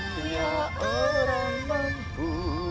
tidak orang mampu